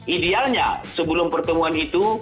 idealnya sebelum pertemuan itu